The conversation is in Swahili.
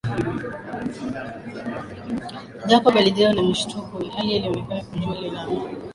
Jacob alijawa na mshituko ilihali alionekana kuijua ile namba